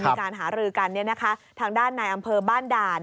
มีการหารือกันเนี่ยนะคะทางด้านนายอำเภอบ้านด่าน